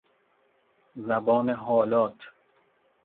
زبان حالات